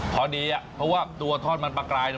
พอดีอ่ะเพราะว่าตัวทอดมันปลากราย